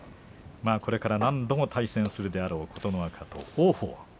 これから何度も対戦するであろう琴ノ若と王鵬。